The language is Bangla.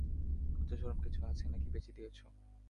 লজ্জা শরম কিছু আছে, নাকি বেঁচে দিয়েছ?